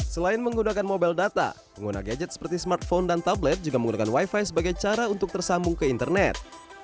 selain menggunakan mobile data pengguna gadget seperti smartphone dan tablet juga menggunakan wifi sebagai cara untuk tersambung ke internet